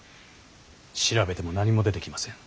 調べても何も出てきません。